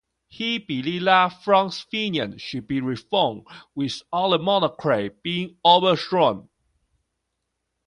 He believed that France's finances should be reformed without the monarchy being overthrown.